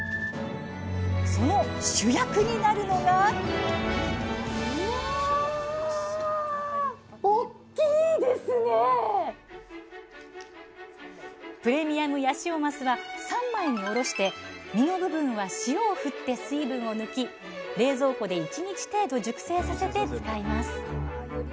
その主役になるのがプレミアムヤシオマスは３枚におろして身の部分は塩を振って水分を抜き冷蔵庫で１日程度熟成させて使います。